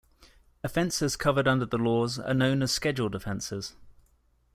Offences covered under the laws are known as "scheduled offences".